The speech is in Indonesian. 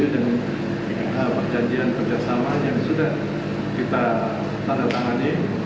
dan perjanjian kerjasama yang sudah kita tandatangani